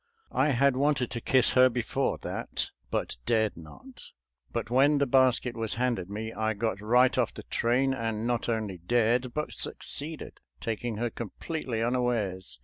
I had wanted to kiss her before that, but dared not. But when the basket was handed me, I got right off the train and not only dared, but succeeded, taking her completely unawares.